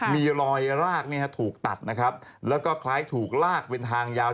มีรอยรากถูกตัดนะครับแล้วก็คล้ายถูกลากเป็นทางยาว